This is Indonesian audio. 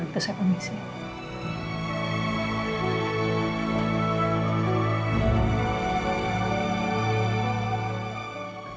terima kasih pak